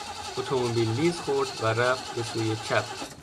اتومبیل لیز خورد و رفت به سوی چپ.